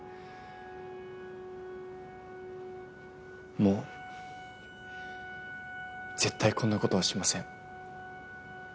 もう絶対こんなことはしません。